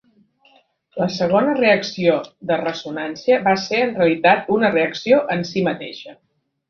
La segona reacció de ressonància va ser en realitat una reacció en si mateixa.